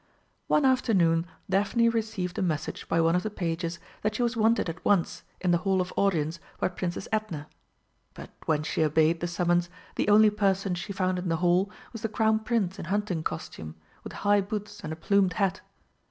One afternoon Daphne received a message by one of the pages that she was wanted at once in the Hall of Audience by Princess Edna. But when she obeyed the summons the only person she found in the hall was the Crown Prince in hunting costume, with high boots and a plumed hat.